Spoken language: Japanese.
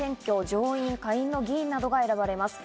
上院、下院の議員などが選ばれます。